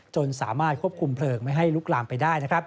จนสามารถควบคุมเพลิงไม่ให้ลุกลามไปได้